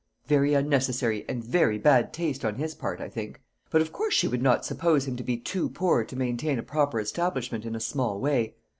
"Very unnecessary, and very bad taste on his part, I think. But of course she would not suppose him to be too poor to maintain a proper establishment in a small way.